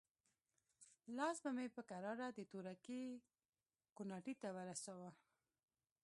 لاس به مې په کراره د تورکي کوناټي ته ورساوه.